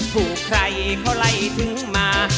ถูกใครเขาไล่ถึงมา